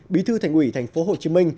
bí thư thành ủy tp hcm